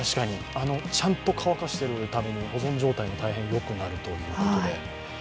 ちゃんと乾かしているために保存状態が大変よくなるということで。